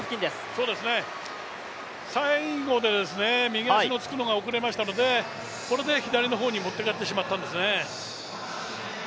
最後で右足のつくのが遅れましたのでそれで左の方に持ってかれてしまったんですね。